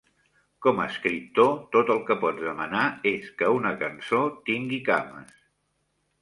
Com escriptor, tot el que pots demanar és que una cançó tingui cames.